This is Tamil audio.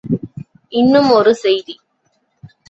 இன்னும் ஒரு செய்தி!